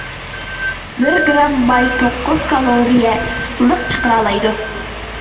بىر گىرام ماي توققۇز كالورىيە ئىسسىقلىق چىقىرالايدۇ.